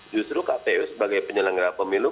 justru kpu sebagai penyelenggara pemilu